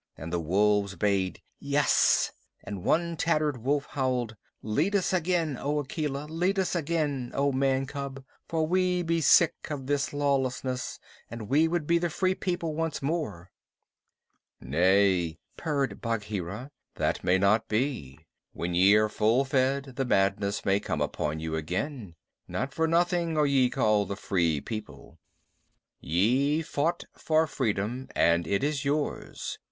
And the wolves bayed "Yes," and one tattered wolf howled: "Lead us again, O Akela. Lead us again, O Man cub, for we be sick of this lawlessness, and we would be the Free People once more." "Nay," purred Bagheera, "that may not be. When ye are full fed, the madness may come upon you again. Not for nothing are ye called the Free People. Ye fought for freedom, and it is yours.